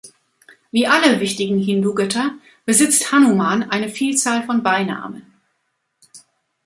Wie alle wichtigen Hindu-Götter besitzt Hanuman eine Vielzahl von Beinamen.